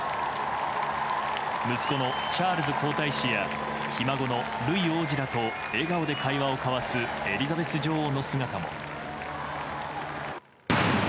息子のチャールズ皇太子やひ孫のルイ王子らと笑顔で会話を交わすエリザベス女王の姿も。